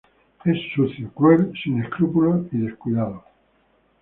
Es sucio, cruel, sin escrúpulos y descuidado.